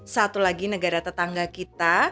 satu lagi negara tetangga kita